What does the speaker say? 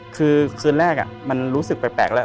คือคืนแรกมันรู้สึกแปลกแล้ว